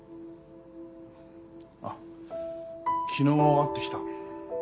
あっ昨日会ってきた。